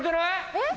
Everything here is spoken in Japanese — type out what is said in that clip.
えっ！